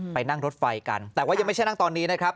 ไปนั่งรถไฟกันแต่ว่ายังไม่ใช่นั่งตอนนี้นะครับ